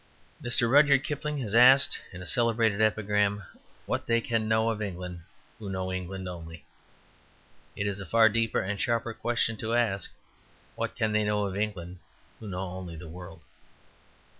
Mr. Rudyard Kipling has asked in a celebrated epigram what they can know of England who know England only. It is a far deeper and sharper question to ask, "What can they know of England who know only the world?"